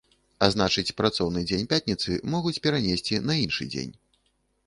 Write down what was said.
А значыць працоўны дзень пятніцы могуць перанесці на іншы дзень.